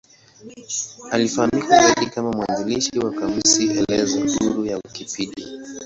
Anafahamika zaidi kama mwanzilishi wa kamusi elezo huru ya Wikipedia.